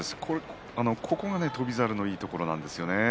ここが翔猿のいいところなんですよね